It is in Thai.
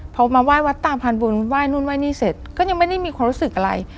พอมาไหว้วัดตามพันบุญไหว้นู่นไห้นี่เสร็จก็ยังไม่ได้มีความรู้สึกอะไร